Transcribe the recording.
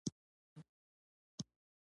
چوتره د کلي د خلکو لپاره د استراحت ځای وو.